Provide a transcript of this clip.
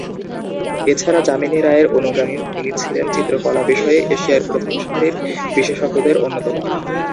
এছাড়া যামিনী রায়ের অনুগামী তিনি ছিলেন চিত্রকলা বিষয়ে এশিয়ার প্রথম সারির বিশেষজ্ঞদের অন্যতম।